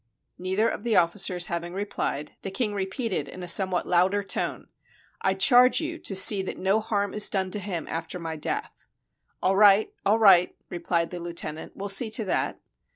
Neither of the officers having replied, the king repeated in a somewhat louder tone: "I charge you to see that no harm is done him after my death." "All right — all right," repHed the lieutenant; "we'll see to that."